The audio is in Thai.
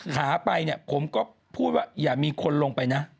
ขาไปเนี่ยผมก็พูดว่าอย่ามีคนลงไปนะ